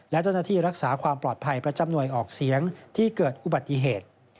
และเจ้าหน้าที่รักษาความปลอดภัยประจำหน่วยออกเสียงที่เกิดอุบัติเหตุ